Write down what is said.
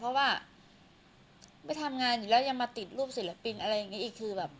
เพราะว่าไม่ทำงานอีกแล้วยังมาติดรูปศิลปินอะไรอย่างนี้อีกคือแบบ